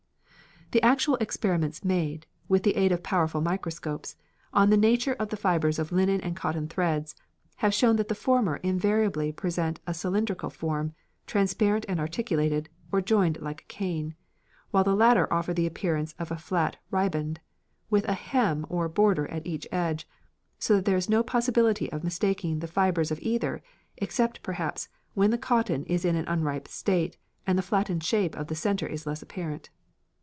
"The actual experiments made, with the aid of powerful microscopes ... on the nature of the fibres of linen and cotton threads, have shown that the former invariably present a cylindrical form, transparent, and articulated, or joined like a cane, while the latter offer the appearance of a flat riband, with a hem or border at each edge; so that there is no possibility of mistaking the fibres of either, except, perhaps, when the cotton is in an unripe state, and the flattened shape of the centre is less apparent.